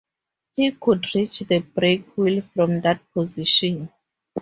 He could reach the brake wheel from that position.